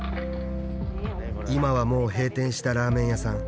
今はもう閉店したラーメン屋さん。